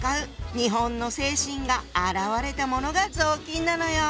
日本の精神が表れたものが雑巾なのよ。